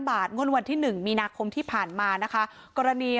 บาทงลวัลที่๑มีนาคมที่ผ่านมากรณี